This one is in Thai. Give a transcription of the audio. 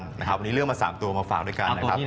วันนี้เลือกมา๓ตัวมาฝากด้วยกัน